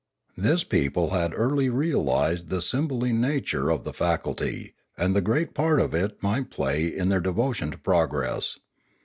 This people had early realised the sibylline character of the faculty, and the great part it might play in their devotion to progress.